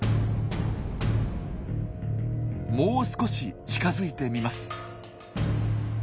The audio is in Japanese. もう少し近づいてみます。